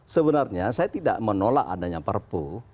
sebenarnya saya tidak menolak adanya perpu